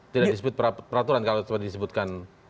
tidak disiput peraturan kalau disebutkan